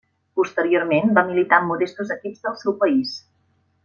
Posteriorment, va militar en modestos equips del seu país.